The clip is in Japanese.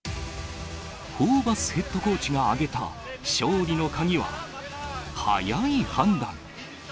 ホーバスヘッドコーチが挙げた勝利の鍵は、早い判断。